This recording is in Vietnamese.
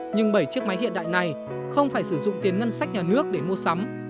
nhưng bảy chiếc máy hiện đại này không phải sử dụng tiền ngân sách nhà nước để mua sắm